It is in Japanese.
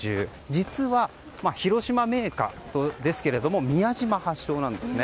実は、広島銘菓ですが宮島発祥なんですね。